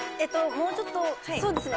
もうちょっとそうですね